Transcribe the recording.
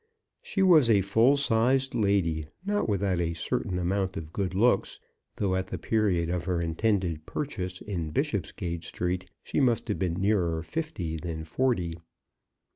She was a full sized lady, not without a certain amount of good looks, though at the period of her intended purchase in Bishopsgate Street, she must have been nearer fifty than forty.